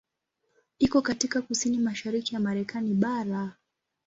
Iko katika kusini-mashariki ya Marekani bara.